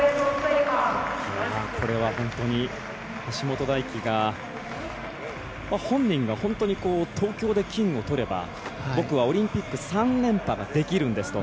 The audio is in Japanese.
これは本当に橋本大輝が本人が本当に東京で金をとれば僕はオリンピック３連覇ができるんですと。